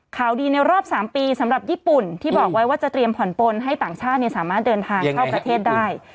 ข่าวดีในรอบ๓ปีสำหรับญี่ปุ่นที่บอกไว้ว่าจะเตรียมผ่อนปนให้ต่างชาติสามารถเดินทางเข้าประเทศได้